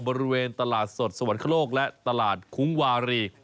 บริเวณตลาดสดสวรรคโลกและตลาดคุ้งวารี